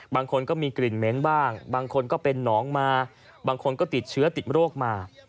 บางคนก็มีกลิ่นเหม็นบ้างบางคนก็เป็นหนองมาบางคนก็ติดเชื้อติดโรคมา